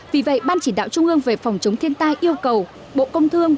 vì vậy ban chỉ đạo trung ương về phòng chống thiên tai yêu cầu bộ công thương